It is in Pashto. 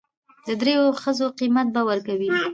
د درېو ښځو قيمت به ور کوي.